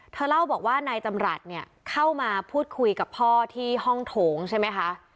เล่าบอกว่านายจำรัฐเนี่ยเข้ามาพูดคุยกับพ่อที่ห้องโถงใช่ไหมคะ